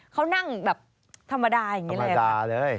เขานั่งแบบธรรมดาอย่างนี้เลย